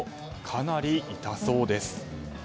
かなり痛そうです。